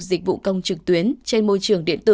dịch vụ công trực tuyến trên môi trường trực tuyến